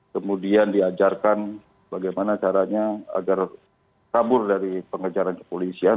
kemudian diajarkan bagaimana caranya agar kabur dari pengejaran kepolisian